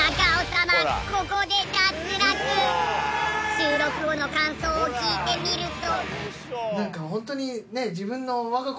収録後の感想を聞いてみると。